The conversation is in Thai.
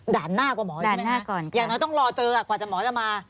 ด่านหน้ากว่าหมอใช่ไหมคะอย่างน้อยต้องรอเจอกว่าจะหมอจะมาด่านหน้ากว่าหมอจะมา